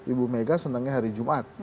ibu mega senangnya hari jumat